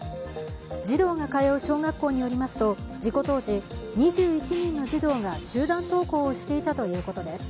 児童が通う小学校によりますと事故当時、２１人の児童が集団登校をしていたということです。